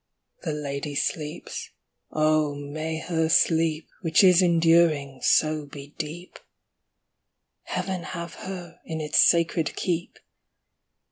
The lady sleeps! Oh, may her sleep Which is enduring, so be deep! Heaven have her in its sacred keep!